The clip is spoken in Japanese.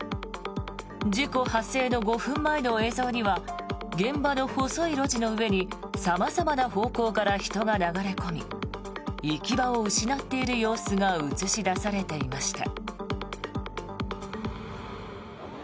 事故発生の５分前の映像には現場の細い路地の上に様々な方向から人が流れ込み行き場を失っている様子が映し出されていました。